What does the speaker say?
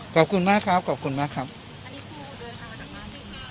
ขอบคุณมากครับขอบคุณมากครับอันนี้คุณเดินทางมาจากบ้าน